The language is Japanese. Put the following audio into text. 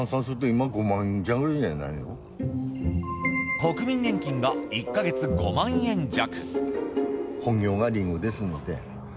国民年金が１か月、５万円弱。